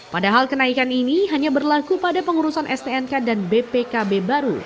padahal kenaikan ini hanya berlaku pada pengurusan stnk dan bpkb baru